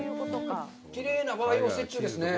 きれいな和洋折衷ですね。